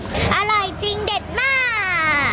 อร่อยจริงเด็ดมาก